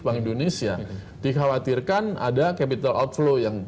bank indonesia dikhawatirkan ada capital outflow yang